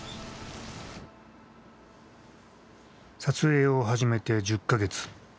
撮影を始めて１０か月。